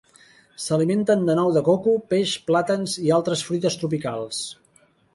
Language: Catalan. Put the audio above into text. S'alimenten de nou de coco, peix, plàtans i altres fruites tropicals.